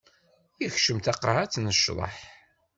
Ikcem taqaɛet n ccḍeḥ.